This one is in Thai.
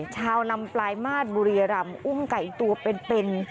ชาวลำปลายมาตรบุรีรำอุ้มไก่ตัวเป็น